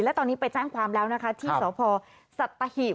และตอนนี้ไปแจ้งความแล้วนะคะที่สพสัตหีบ